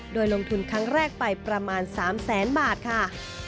โดยลงทุนครั้งแรกไปประมาณ๓แสนบาทค่ะ